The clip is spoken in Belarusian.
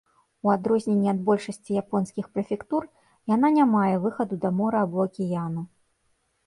У адрозненне ад большасці японскіх прэфектур, яна не мае выхаду да мора або акіяну.